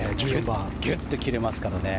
ギュッと切れますからね。